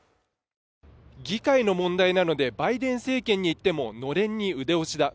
議会の問題なのでバイデン政権に言ってものれんに腕押しだ。